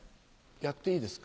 やっていいですか？